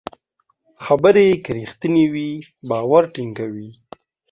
خبرې که رښتینې وي، باور ټینګوي.